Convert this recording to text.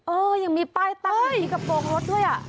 เออยังมีป้ายตั้งมีกระโปรงรถด้วยอ่ะ